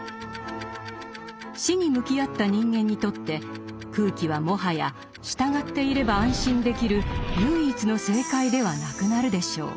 「死」に向き合った人間にとって「空気」はもはや従っていれば安心できる唯一の正解ではなくなるでしょう。